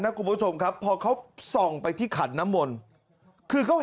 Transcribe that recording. คุณผู้ชมครับพอเขาส่องไปที่ขันน้ำมนต์คือเขาเห็น